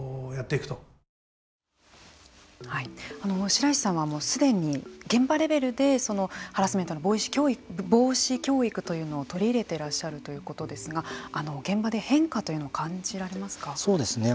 白石さんはすでに現場レベルでハラスメントの防止教育というのを取り入れていらっしゃるということですが現場で変化というのを感じられますか。